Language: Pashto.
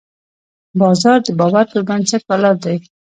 بازار د باور پر بنسټ ولاړ دی.